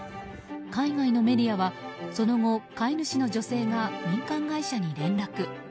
海外のメディアはその後、飼い主の女性が民間会社に連絡。